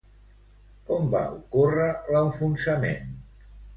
Com va ocórrer l'enfonsament?